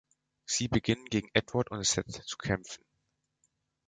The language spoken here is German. Sie beginnen, gegen Edward und Seth zu kämpfen.